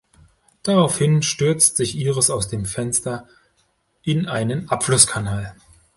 Daraufhin stürzt sich Iris aus dem Fenster in einen Abflusskanal.